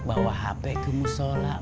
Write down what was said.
bawa hp kemusola